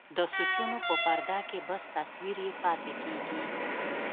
د سوچونو په پرده کې بس تصوير يې پاتې کيږي.